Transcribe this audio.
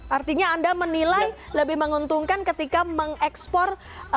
artinya anda menilai lebih menguntungkan ketika mengekspor